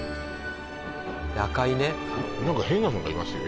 赤いね何か変なのがいますよ